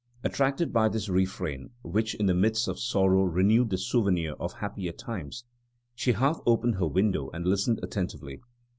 Attracted by this refrain, which in the midst of sorrow renewed the souvenir of happier times, she half opened her window and listened attentively.